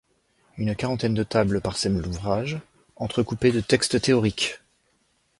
Une quarantaine de tables parsèment l'ouvrage, entrecoupés de textes théoriques.